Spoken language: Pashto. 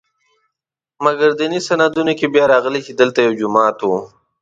مګر دیني سندونو کې بیا راغلي چې دلته یو جومات و.